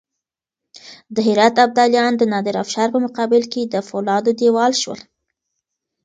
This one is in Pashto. د هرات ابدالیان د نادرافشار په مقابل کې د فولادو دېوال شول.